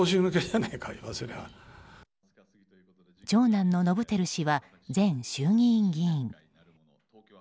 長男の伸晃氏は前衆議院議員。